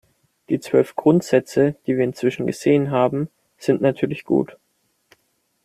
Die zwölf Grundsätze, die wir inzwischen gesehen haben, sind natürlich gut.